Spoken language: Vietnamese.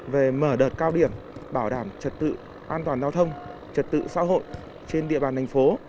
về mở đợt cao điểm bảo đảm trật tự an toàn giao thông trật tự xã hội trên địa bàn thành phố